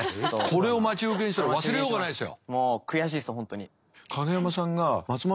これを待ち受けにしたら忘れようがないですよ。